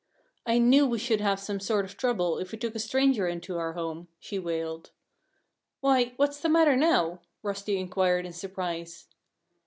"I knew we should have some sort of trouble if we took a stranger into our home," she wailed. "Why, what's the matter now?" Rusty inquired in surprise.